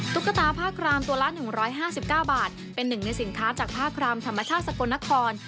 ตุ๊กตาผ้าครามตัวละ๑๕๙บาทเป็นหนึ่งในสินค้าจากผ้าครามธรรมชาติสกลนคร